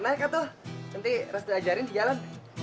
naiklah tuh nanti harus diajarin di jalan